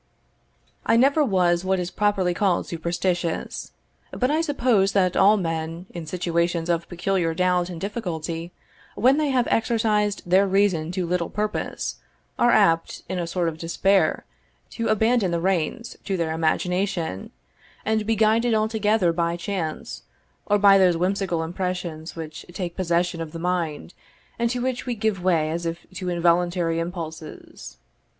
] I never was what is properly called superstitious; but I suppose that all men, in situations of peculiar doubt and difficulty, when they have exercised their reason to little purpose, are apt, in a sort of despair, to abandon the reins to their imagination, and be guided altogether by chance, or by those whimsical impressions which take possession of the mind, and to which we give way as if to involuntary impulses.